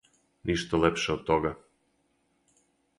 Ништа лепше од тога!